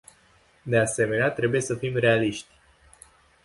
De asemenea, trebuie să fim realiști.